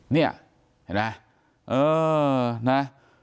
นี่เห็นไหมเออนะ